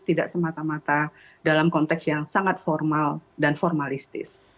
tidak semata mata dalam konteks yang sangat formal dan formalistis